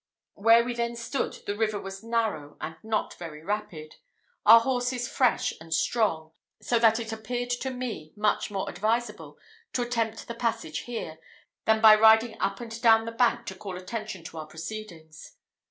Where we then stood the river was narrow and not very rapid, our horses fresh and strong, so that it appeared to me much more advisable to attempt the passage there, than by riding up and down the bank to call attention to our proceedings.